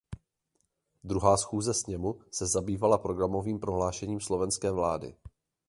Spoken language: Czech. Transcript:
Druhá schůze Sněmu se zabývala programovým prohlášením slovenské vlády.